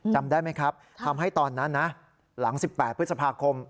จำได้ไหมครับทำให้ตอนนั้นนะหลัง๑๘พฤษภาคม